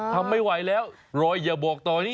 ทำไม่ไหวแล้วรอยอย่าบอกตอนนี้